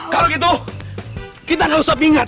kalau gitu kita gak usah pingat